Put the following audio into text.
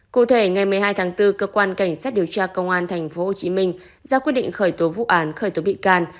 cụ thể ngày một mươi hai tháng bốn cơ quan cảnh sát điều tra công an tp hcm ra quyết định khởi tố vụ án khởi tố bị can